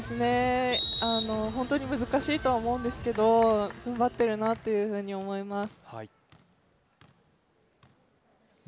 本当に難しいとは思うんですけど、頑張ってるなというふうに思います。